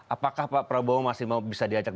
apakah pak prabowo masih bisa diajak